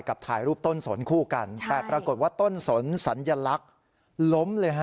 ถ่ายรูปต้นสนคู่กันแต่ปรากฏว่าต้นสนสัญลักษณ์ล้มเลยฮะ